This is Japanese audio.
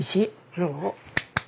そう？